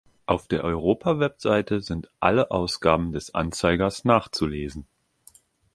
Auf der Europa-Webseite sind alle Ausgaben des Anzeigers nachzulesen.